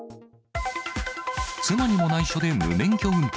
妻にもないしょで無免許運転。